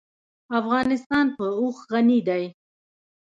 افغانستان په اوښ غني دی.